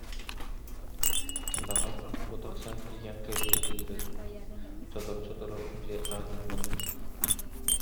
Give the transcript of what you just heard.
Баҕар, бу тахсан тиийэн кэлиэ диирэ дуу, сотору-сотору дьиэ аанын маныыр